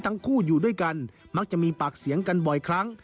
ทั้งคู่อยู่ด้วยกันมักจะมีปากเสียงกันบ่อยครั้ง